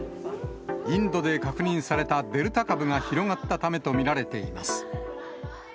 インドで確認されたデルタ株が広がったためと見られています。